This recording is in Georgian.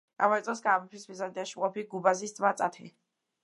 ამავე წელს გაამეფეს ბიზანტიაში მყოფი გუბაზის ძმა წათე.